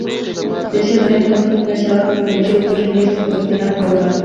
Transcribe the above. د شيخ زايد پوهنتون نشراتو کمېټې وږي مياشتې نوبتي ناسته وکړه.